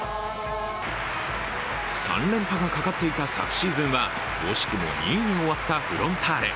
３連覇がかかっていた昨シーズンは惜しくも２位に終わったフロンターレ。